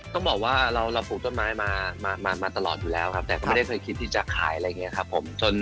ต้องบอกว่าเราปลูกต้นไม้มาตลอดอยู่แล้วครับแต่ก็ไม่ได้เคยคิดที่จะขายอะไรอย่างนี้ครับผม